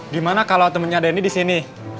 gimana kalau temennya denny di sini